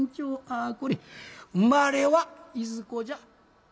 「あこれ生まれはいずこじゃ？」。